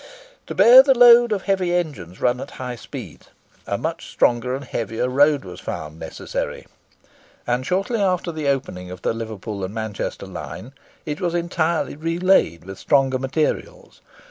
To bear the load of heavy engines run at high speeds, a much stronger and heavier road was found necessary; and shortly after the opening of the Liverpool and Manchester line, it was entirely relaid with stronger materials.